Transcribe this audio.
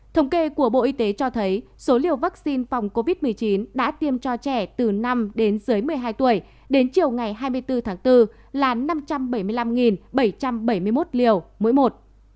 thống kê của bộ y tế cho thấy số liều vaccine phòng covid một mươi chín đã tiêm cho trẻ từ năm đến dưới một mươi hai tuổi đến chiều ngày hai mươi bốn tháng bốn là năm trăm bảy mươi năm bảy trăm bảy mươi một liều mỗi một